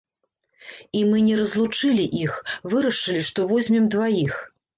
І мы не разлучылі іх, вырашылі, што возьмем дваіх.